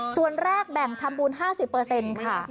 ส่วนแรกแบ่งทำบุญ๕๐เปอร์เซ็นต์ค่ะ